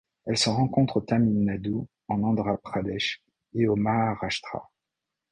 Elle se rencontre au Tamil Nadu, en Andhra Pradesh et au Maharashtra.